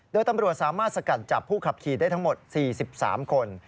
โดยตำรวจสามารถสกัดจับผู้ขับขี่ได้ทั้งหมด๔๓คน